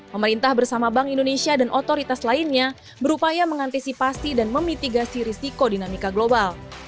pemerintah bersama bank indonesia dan otoritas lainnya berupaya mengantisipasi dan memitigasi risiko dinamika global